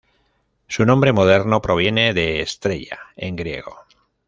Su nombre moderno proviene de "estrella" en griego.